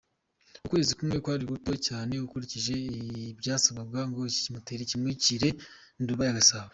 Ukwezi kumwe kwari guto cyane ukurikije ibyasabwaga ngo iki kimpoteri kimukire Nduba ya Gasabo.